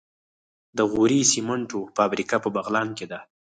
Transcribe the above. د غوري سمنټو فابریکه په بغلان کې ده.